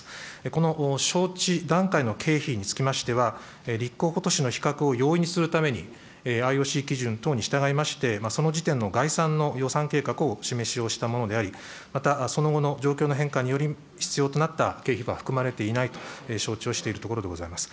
この招致段階の経費につきましては、立候補都市の比較を容易にするために、ＩＯＣ基準等に従いまして、その時点の概算の予算計画をお示しをしたものであり、またその後の状況の変化により、必要となった経費は含まれていないと承知をしているところでございます。